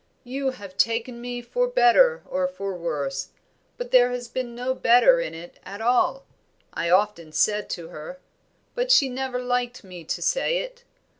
'You have taken me for better or for worse, but there has been no better in it at all,' I often said to her; but she never liked me to say it.